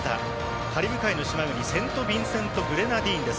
カリブ海の島国セントビンセント・グレナディーンです。